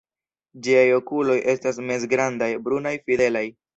Ĝiaj okuloj estas mezgrandaj, brunaj, fidelaj.